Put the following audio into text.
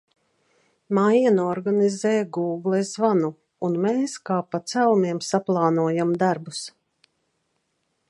Maija noorganizē Gūgle zvanu, un mēs kā pa celmiem saplānojam darbus.